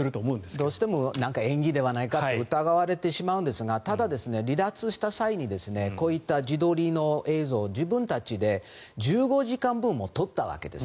どうしてもなんか演技ではないかと疑われてしまうんですがただ、離脱した際にこういった自撮りの映像を自分たちで１５時間分も撮ったわけです。